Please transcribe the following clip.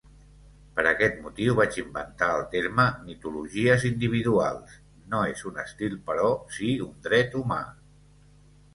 Per aquest motiu vaig inventar el terme, "mitologies individuals", no és un estil però sí un dret humà.